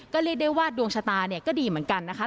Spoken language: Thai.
ก็เรียกได้ว่าดวงชะตาเนี่ยก็ดีเหมือนกันนะคะ